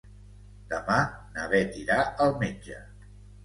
Demà na Beth irà al metge.